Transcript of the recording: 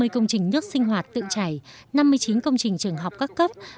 năm mươi công trình nước sinh hoạt tự chảy năm mươi chín công trình trường học các cấp